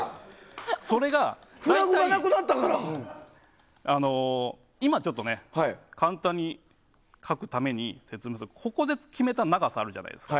それが大体今ちょっと簡単に描くために説明すると、ここで決めた長さがあるじゃないですか。